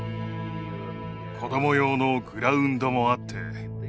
子ども用のグラウンドもあって